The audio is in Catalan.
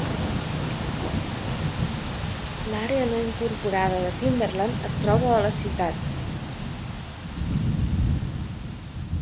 L'àrea no incorporada de Timberland es troba a la ciutat.